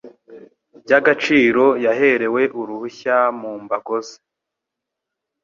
by agaciro yaherewe uruhushya mu mbago ze